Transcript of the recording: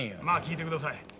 まあ聞いてください。